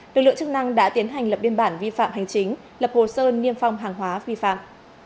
lực lượng chức năng đã tiến hành lập biên bản vi phạm hành chính lập hồ sơ niêm phong hàng hóa vi phạm